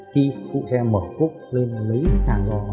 khi khu xe mở cốt lên lấy hàng rồi